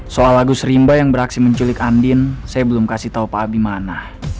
soal agus rimba yang beraksi menculik andin saya belum kasih tau pak abimana